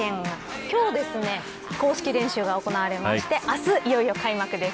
今日、公式練習が行われまして明日、いよいよ開幕です。